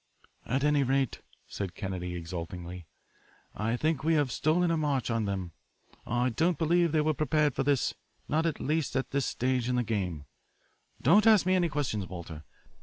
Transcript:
"At any rate," said Kennedy exultingly, "I think we have stolen a march on them. I don't believe they were prepared for this, not at least at this stage in the game. Don't ask me any questions, Walter.